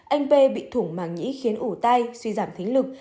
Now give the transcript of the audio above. anh p bị thủng màng nhĩ khiến ủ tai suy giảm thính lực